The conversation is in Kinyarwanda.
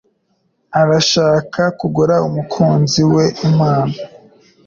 Arashaka kugura umukunzi we impano.